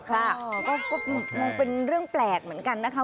ค่ะก็คงเป็นเรื่องแปลกเหมือนกันนะคะ